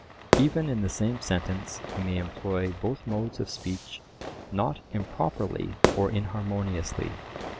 Even in the same sentence he may employ both modes of speech not improperly or inharmoniously.